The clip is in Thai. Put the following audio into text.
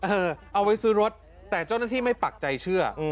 เอาไว้ซื้อรถแต่เจ้าหน้าที่ไม่ปักใจเชื่อ